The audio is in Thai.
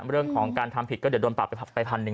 เรื่องของการทำผิดก็เดี๋ยวโดนปรับไปพันหนึ่ง